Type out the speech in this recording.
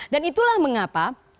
dan itulah mengapa